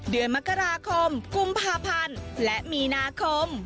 เดือนมกราคมกุมภาพันธ์และมีนาคม